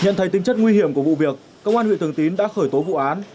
nhận thấy tính chất nguy hiểm của vụ việc công an huyện thường tín đã khởi tố vụ án